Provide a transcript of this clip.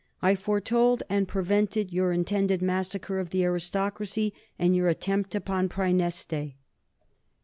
I foretold and prevented your intended massacre of the aristocracy, and your attempt upon Praeneste.